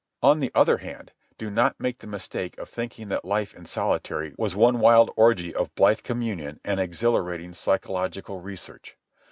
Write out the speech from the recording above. On the other hand, do not make the mistake of thinking that life in solitary was one wild orgy of blithe communion and exhilarating psychological research.